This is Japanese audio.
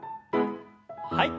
はい。